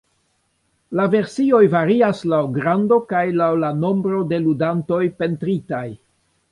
La versioj varias laŭ grando kaj laŭ la nombro de ludantoj pentritaj.